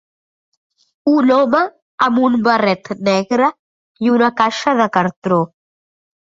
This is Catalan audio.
Un home amb un barret negre i una caixa de cartró.